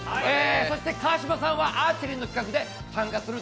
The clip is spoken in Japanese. そして川島さんはアーチェリーの企画で参加します。